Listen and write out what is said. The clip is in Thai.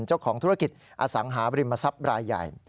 เจ้าของธุรกิจอสังหาบริมทรัพย์รายใหญ่